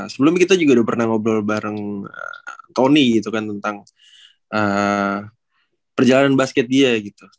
sebelumnya kita juga udah pernah ngobrol bareng tony gitu kan tentang perjalanan basket dia gitu